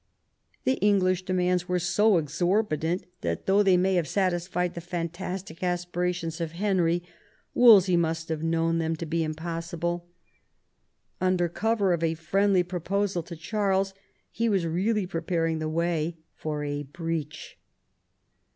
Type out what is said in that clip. The English demands were so exorbitant that though they may have satisfied the fantastic as pirations of Henry, Wolsey must have known them to be impossible. Under cover of a friendly proposal to Charles he was really preparing the way for a breach.